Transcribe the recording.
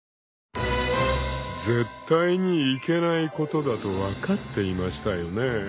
［絶対にいけないことだと分かっていましたよね？］